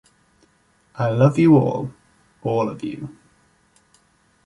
I love you all, all of you.